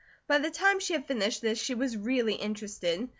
By the time she had finished this she was really interested.